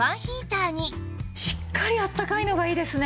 しっかりあったかいのがいいですね。